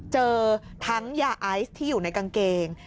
เจอทั้งยาไอซ์ที่อยู่ในกางเกง